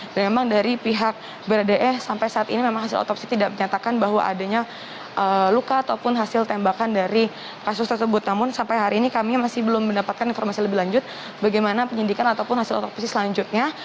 dan memang dari pihak baradei sampai saat ini memang hasil otopsi tidak menyatakan bahwa adanya luka ataupun hasil tembakan dari kasus tersebut namun sampai hari ini kami masih belum mendapatkan informasi lebih lanjut bagaimana penyidikan ataupun hasil otopsi selanjutnya